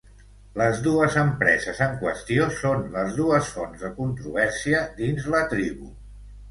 Les dues empreses en qüestió són les dues fonts de controvèrsia dins la tribu.